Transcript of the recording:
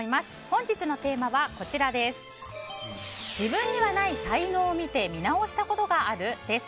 本日のテーマは自分にない才能を見て見直したことがある？です。